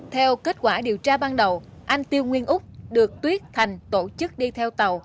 theo kết quả điều tra ban đầu anh tiêu nguyên úc được tuyết thành tổ chức đi theo tàu